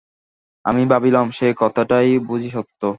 আমি ভাবিলাম, সেই কথাটাই বুঝি সত্য।